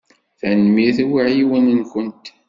Tanemmirt i uɛiwen-nkent.